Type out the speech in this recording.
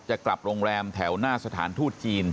จะกลับโรงแรมแถวหน้าสถานทูตจีน